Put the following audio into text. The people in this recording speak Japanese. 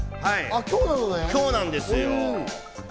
今日なんですよ。